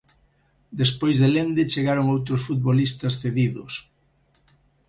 Despois de Lende, chegaron outros futbolistas cedidos.